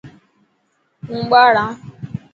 هون ٻاڙ هان.